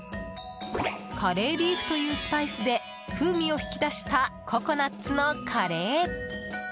カレーリーフというスパイスで風味を引き出したココナツのカレー。